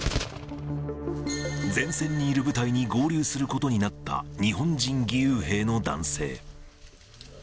前線にいる部隊に合流することになった日本人義勇兵の男性。